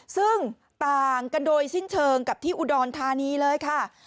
ซึ่งต่างกันโดยสิ้นเชิงกับที่อุดรธานีเลยค่ะ